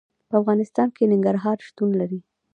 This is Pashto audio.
په افغانستان کې ننګرهار شتون لري.